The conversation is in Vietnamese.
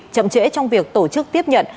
chậm trễ trong việc tổ chức tiếp nhận